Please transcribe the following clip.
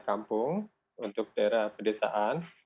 kampung untuk daerah pedesaan